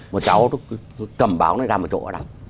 một cháu cầm báo này ra một chỗ và đọc